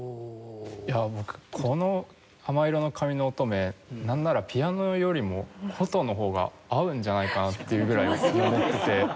いやあ僕この『亜麻色の髪のおとめ』なんならピアノよりも箏の方が合うんじゃないかなっていうぐらいに思ってて。